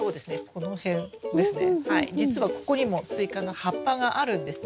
じつはここにもスイカの葉っぱがあるんです。